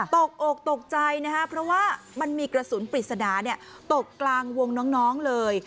ตกอกตกใจนะครับเพราะว่ามันมีกระสุนปริศนาตกกลางวงน้องเลย